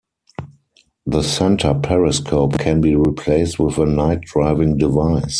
The centre periscope can be replaced with a night driving device.